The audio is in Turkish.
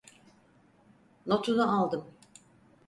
Notunu aldım.